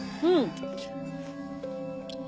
うん。